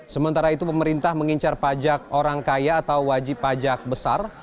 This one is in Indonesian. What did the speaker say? sementara itu pemerintah mengincar pajak orang kaya atau wajib pajak besar